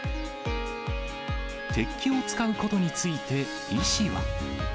鉄器を使うことについて、医師は。